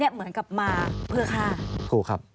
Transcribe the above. เหมือนกับมาเพื่อฆ่า